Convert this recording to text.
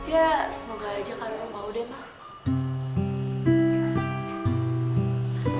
ya semoga aja kalau kamu mau deh mam